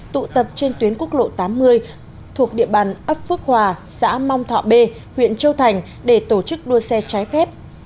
tụ tập trên tuyến quốc lộ tám mươi thuộc địa bàn ấp phước hòa xã mong thọ b huyện châu thành để tổ chức đua xe trái phép